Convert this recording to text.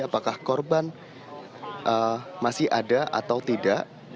apakah korban masih ada atau tidak